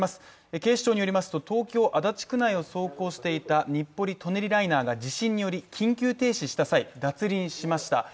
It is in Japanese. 警視庁によりますと東京・足立区内を走行していた日暮里舎人ライナーが地震により、緊急停止した際、脱輪しました。